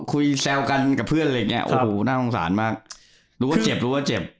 แซวกันกับเพื่อนอะไรอย่างเงี้โอ้โหน่าสงสารมากรู้ว่าเจ็บรู้ว่าเจ็บ